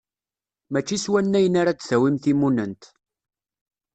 Mačči s wannayen ara d-tawim timunnent.